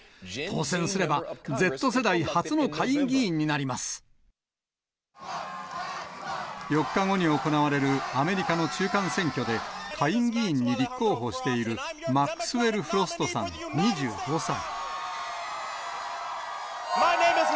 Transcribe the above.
当選すれば、４日後に行われるアメリカの中間選挙で、下院議員に立候補している、マックスウェル・フロストさん２５歳。